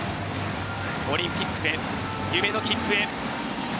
オリンピックへ、夢の切符へ。